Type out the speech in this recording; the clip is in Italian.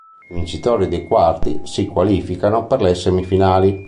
I vincitori dei quarti si qualificano per le semifinali.